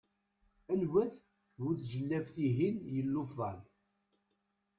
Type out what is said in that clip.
Anwa-t bu tjellabt-ihin yellufḍan?